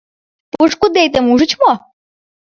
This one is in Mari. — Пошкудетым ужыч мо?